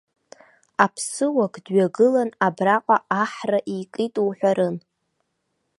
Аԥсыуак дҩагылан абраҟа аҳра икит уҳәарын.